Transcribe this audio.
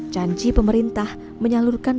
janji pemerintah menyalurkan